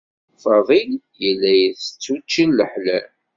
Faḍil yella itett učči leḥlal.